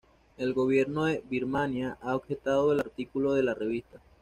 El gobierno de Birmania ha objetado al artículo de la revista.